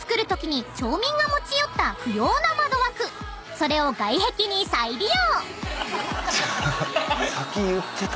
［それを外壁に再利用］